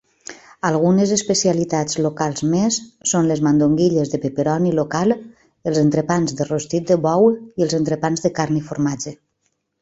Algunes especialitats locals més són les mandonguilles de pepperoni local, els entrepans de rostit de bou i els entrepans de carn i formatge.